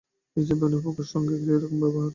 নিজের বোনপোর সঙ্গে এ কিরকম ব্যবহার।